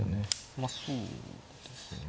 まあそうですね。